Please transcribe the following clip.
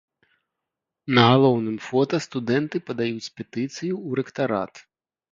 На галоўным фота студэнты падаюць петыцыю ў рэктарат.